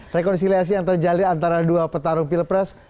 rekonsiliasi yang terjalin antara dua petarung pilpres